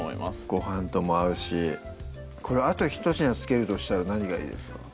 ごはんとも合うしこれあとひと品付けるとしたら何がいいですか？